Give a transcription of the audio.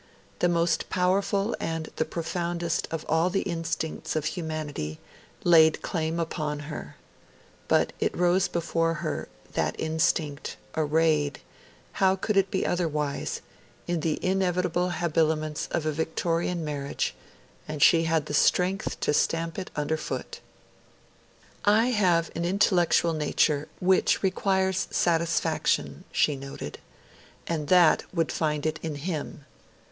The most powerful and the profoundest of all the instincts of humanity laid claim upon her. But it rose before her, that instinct, arrayed how could it be otherwise? in the inevitable habiliments of a Victorian marriage; and she had the strength to stamp it underfoot. 'I have an intellectual nature which requires satisfaction,' she noted, 'and that would find it in him.